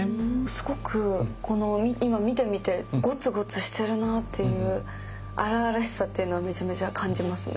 すごく今見てみてごつごつしてるなという荒々しさっていうのをめちゃめちゃ感じますね。